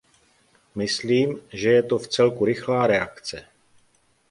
Myslím, že je to vcelku rychlá reakce.